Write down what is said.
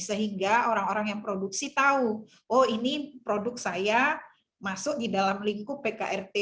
sehingga orang orang yang produksi tahu oh ini produk saya masuk di dalam lingkup pkrt